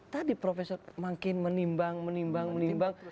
tadi profesor makin menimbang menimbang menimbang